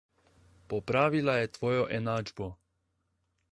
Popravila je tvojo enačbo.